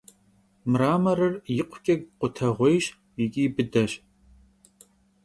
Mramorır yikhuç'e khuteğuêyş yiç'i bıdeş.